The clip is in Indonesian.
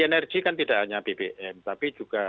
energi kan tidak hanya bbm tapi juga